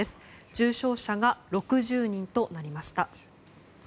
重症者が６０人となりました。